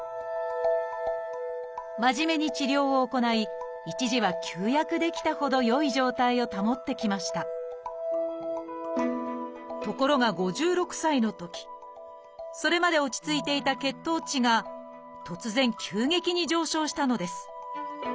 真面目に治療を行い一時は休薬できたほど良い状態を保ってきましたところが５６歳のときそれまで落ち着いていた血糖値が突然急激に上昇したのです。